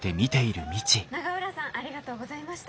「永浦さんありがとうございました」。